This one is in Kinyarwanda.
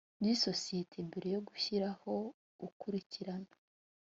by isosiyete mbere yo gushyiraho ukurikirana